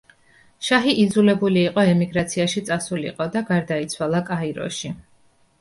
შაჰი იძულებული იყო ემიგრაციაში წასულიყო და გარდაიცვალა კაიროში.